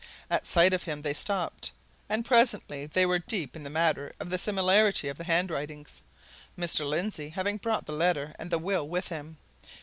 At sight of him they stopped, and presently they were deep in the matter of the similarity of the handwritings, Mr. Lindsey having brought the letter and the will with him.